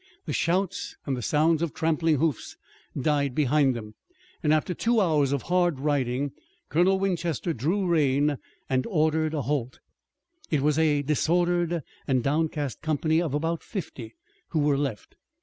The shouts and the sounds of trampling hoofs died behind them, and after two hours of hard riding Colonel Winchester drew rein and ordered a halt. It was a disordered and downcast company of about fifty who were left.